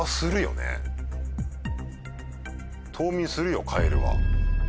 冬眠するよカエルは。